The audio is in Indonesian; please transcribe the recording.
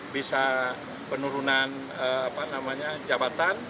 bisa penurunan jabatan